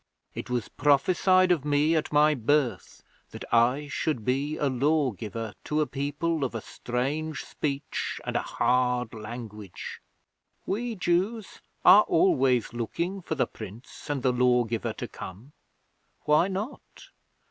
It was prophesied of me at my birth that I should be a Lawgiver to a People of a strange speech and a hard language. We Jews are always looking for the Prince and the Lawgiver to come. Why not?